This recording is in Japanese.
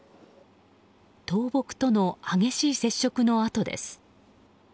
倒木との激しい接触の跡です。